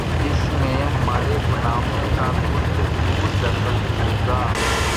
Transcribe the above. اس میں ہمارے گناہوں کا کچھ ضرور دخل ہو گا۔